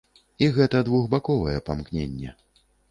І гэта двухбаковае памкненне.